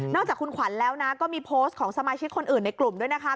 จากคุณขวัญแล้วนะก็มีโพสต์ของสมาชิกคนอื่นในกลุ่มด้วยนะคะ